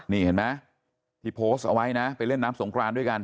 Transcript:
นี่เห็นไหมที่โพสต์เอาไว้นะไปเล่นน้ำสงครานด้วยกัน